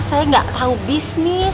saya gak tahu bisnis